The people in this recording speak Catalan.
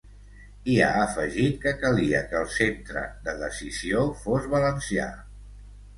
I ha afegit que calia que el centre de decisió fos valencià.